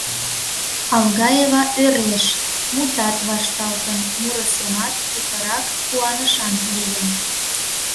Алгаева ӧреш: мутат вашталтын, муро семат путырак куанышан лийын.